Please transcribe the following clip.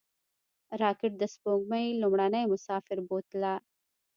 راکټ د سپوږمۍ لومړنی مسافر بوتله